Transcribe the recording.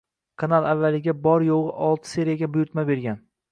Kanal avvaliga bor yo‘g‘i olti seriyaga buyurtma bergan.